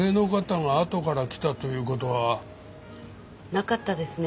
なかったですね。